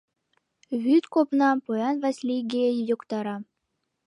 Вӱд копнам поян Васлийге йоктара.